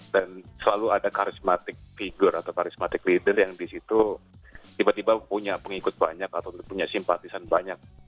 dan selalu ada karismatik figure atau karismatik leader yang di situ tiba tiba punya pengikut banyak atau punya simpatisan banyak